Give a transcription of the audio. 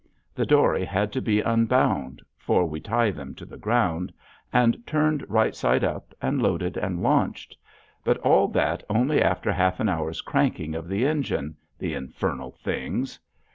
The dory had to be unbound for we tie them to the ground and turned right side up, and loaded and launched, but all that only after half an hour's cranking of the engine, the infernal things!